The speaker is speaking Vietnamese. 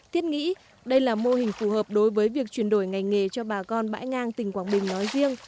thiết nghĩ đây là mô hình phù hợp đối với việc chuyển đổi ngành nghề cho bà con bãi ngang tỉnh quảng bình nói riêng